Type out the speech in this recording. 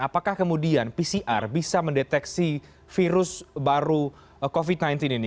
apakah kemudian pcr bisa mendeteksi virus baru covid sembilan belas ini